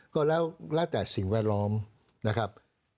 ก็แล้วแต่สิ่งแวดล้อมนะครับ